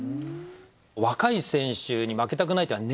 若い選手に負けたくないって。